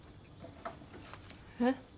えっ？